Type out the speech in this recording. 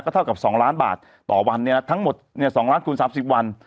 ก็เท่ากับ๒ล้านบาทต่อวันเนี้ยทั้งหมดเนี้ย๒ล้านกูล๓๐วัน